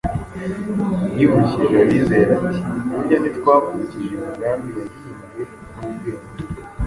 Yibukije abizera ati, « Burya ntitwakurikije imigani yahimbwe n’ubwenge,